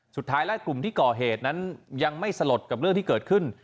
สุดท้ายแล้วกลุ่มที่ก่อเหตุนั้นยังไม่สลดกับเรื่องที่เกิดขึ้น